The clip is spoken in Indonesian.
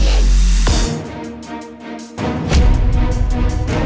ya ada banyak british